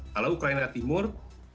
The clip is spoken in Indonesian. kalau ukraina timur